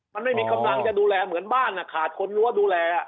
มันไม่มีกำลังจะดูแลเหมือนบ้านขาดคนรั้วดูแล